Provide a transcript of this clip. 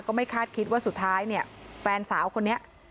ไม่คาดคิดว่าสุดท้ายเนี่ยแฟนสาวคนนี้